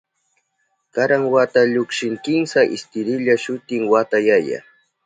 Karan wata llukshin kimsa istirilla, shutin wata yaya.